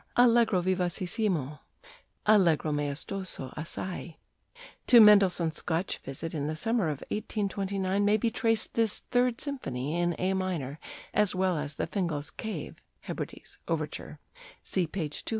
Allegro vivacissimo Allegro maestoso assai To Mendelssohn's Scotch visit in the summer of 1829 may be traced this third symphony in A minor, as well as the "Fingal's Cave" ["Hebrides"] overture (see page 200 202).